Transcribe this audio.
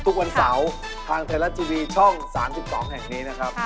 ทุกวันเสาร์ทางไทยรัฐทีวีช่อง๓๒แห่งนี้นะครับ